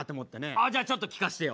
あじゃあちょっと聞かしてよ。